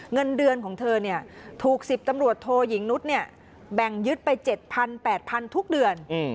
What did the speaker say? เงินเดือนของเธอถูก๑๐ตำรวจโทยิงนุษย์แบ่งยึดไป๗๐๐๘๐๐ทุกเดือน